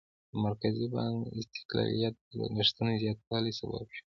د مرکزي بانک استقلالیت د لګښتونو زیاتوالي سبب شو.